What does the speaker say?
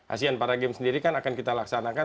asean para games sendiri kan akan kita laksanakan